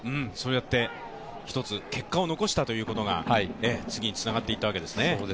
一つ、結果を残したということが次につながっていったわけですね。